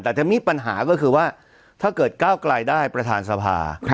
แต่จะมีปัญหาก็คือว่าถ้าเกิดก้าวกลายได้ประธานสภา